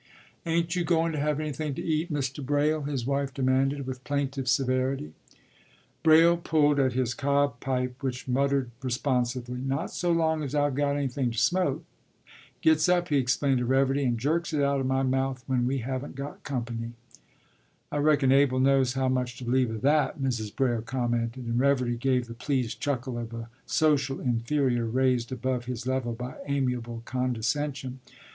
“Ain't you goin' to have anything to eat, Mr. Braile?” his wife demanded, with plaintive severity. Braile pulled at his cob pipe which muttered responsively, “Not so long as I've got anything to smoke. Gets up,” he explained to Reverdy, “and jerks it out of my mouth, when we haven't got company.” “I reckon Abel knows how much to believe of that,” Mrs. Braile commented, and Reverdy gave the pleased chuckle of a social inferior raised above his level by amiable condescension.